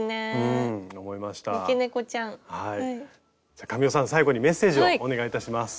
じゃ神尾さん最後にメッセージをお願いいたします。